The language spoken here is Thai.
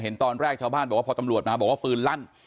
ตอนแรกชาวบ้านบอกว่าพอตำรวจมาบอกว่าปืนลั่น